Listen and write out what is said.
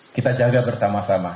kita jaga bersama sama